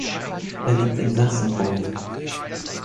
Er lebt in Sassenburg.